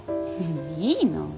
いいの。